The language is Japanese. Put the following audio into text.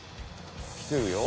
来てるよ。